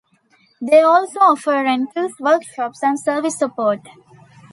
They also offer rentals, workshops, and service support.